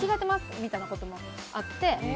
みたいなこともあって。